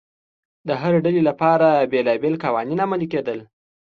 د هرې ډلې لپاره بېلابېل قوانین عملي کېدل